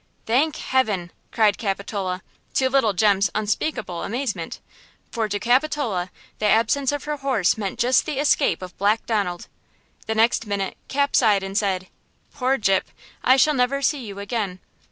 "Thank heaven!" cried Capitola, to little Jem's unspeakable amazement. For to Capitola the absence of her horse meant just the escape of Black Donald! The next minute Cap sighed and said: "Poor Gyp! I shall never see you again!"